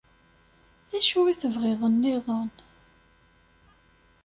D acu i tebɣiḍ nniḍen?